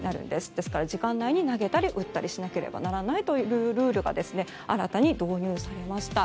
ですから時間内に投げたり打ったりしなければならないルールが新たに導入されました。